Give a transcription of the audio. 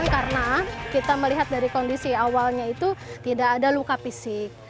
karena kita melihat dari kondisi awalnya itu tidak ada luka fisik